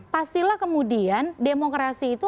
pastilah kemudian demokrasi itu